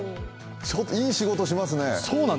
いい仕事しますね。